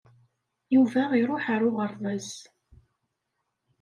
Yuba iṛuḥ ar uɣerbaz.